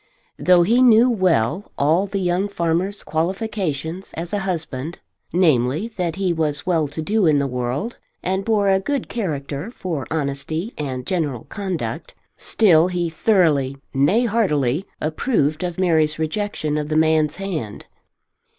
Though he knew well all the young farmer's qualifications as a husband, namely that he was well to do in the world and bore a good character for honesty and general conduct, still he thoroughly, nay heartily approved of Mary's rejection of the man's hand.